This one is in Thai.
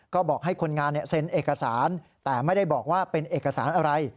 ก็บอกให้คนงานเซ็นเอกสารแต่ไม่ได้บอกว่าเป็นเอกสารอะไร